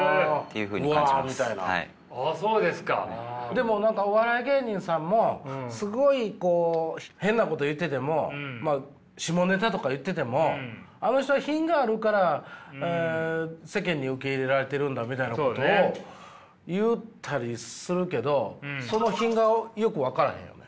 でも何かお笑い芸人さんもすごいこう変なこと言ってても下ネタとか言っててもあの人は品があるから世間に受け入れられてるんだみたいなことを言ったりするけどその品がよく分からへんよね。